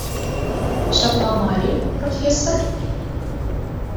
Ҫапла мар-и, профессор?